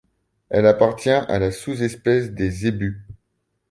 Elle appartient à la sous-espèce des zébus.